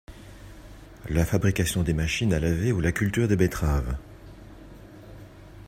la fabrication des machines à laver ou la culture des betteraves.